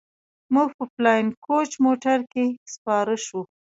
موږ په فلاينګ کوچ موټر کښې سپاره سو.